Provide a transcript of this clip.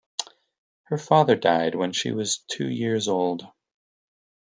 Her father died when she was two years old.